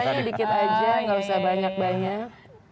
darahnya dikit aja gak usah banyak banyak